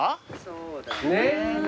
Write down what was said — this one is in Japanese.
そうだね。